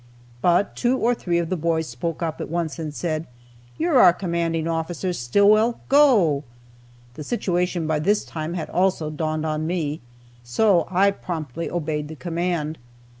But two or three of the boys spoke up at once and said, "You're our commanding officer, Stillwell; go!" The situation by this time had also dawned on me, so I promptly obeyed the command.